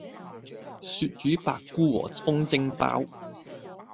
鱈魚百菇和風蒸包